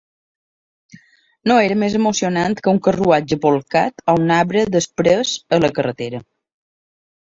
No era més emocionant que un carruatge bolcat o un arbre desprès a la carretera.